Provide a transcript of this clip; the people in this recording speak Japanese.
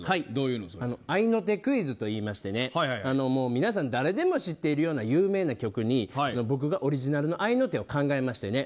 合いの手クイズといいまして皆さん誰でも知っているような有名な曲に僕がオリジナルの合いの手を考えましてね